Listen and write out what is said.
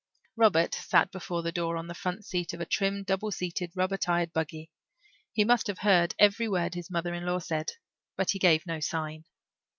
Robert sat before the door on the front seat of a trim, double seated, rubber tired buggy. He must have heard every word his mother in law said but he gave no sign.